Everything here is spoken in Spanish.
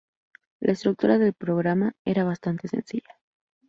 La estructura del programa era bastante sencilla.